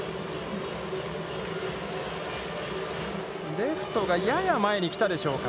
レフトがやや前に来たでしょうか。